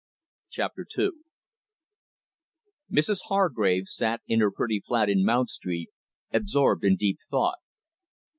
CHAPTER TWO. Mrs Hargrave sat in her pretty flat in Mount Street, absorbed in deep thought.